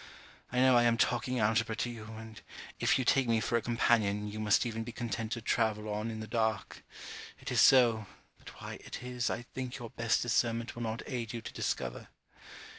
I know I am talking algebra to you, and if you take me for a companion, you must even be content to travel on in the dark. It is so, but why it is, I think your best discernment will not aid you to discover.